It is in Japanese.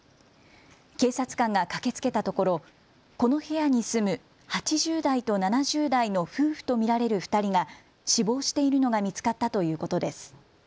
警察官が駆けつけたところ、この部屋に住む８０代と７０代の夫婦と見られる２人が死亡しているのが見つかったということです。